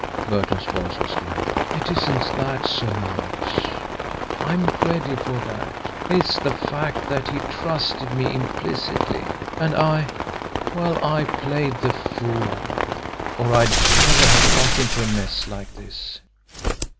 Burton's voice was low. "It isn't that so much. I'm ready for that. It's the fact that he trusted me implicitly, and I well, I played the fool, or I'd never have got into a mess like this."